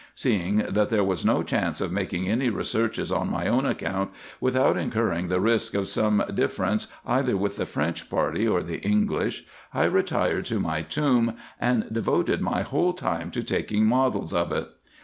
Seeing that there was no chance of making any researches on my own account, without incurring the risk of some difference either p p 290 RESEARCHES AND OPERATIONS with the French party or the English, I retired to my tomb, and devoted my whole time to taking models of it.